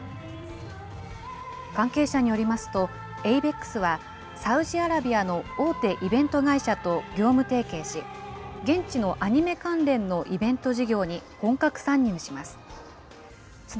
関係者によりますと、エイベックスは、サウジアラビアの大手イベント会社と業務提携し、現地のアニメ関連のイベント事業に本格参入します。